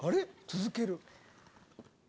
続ける。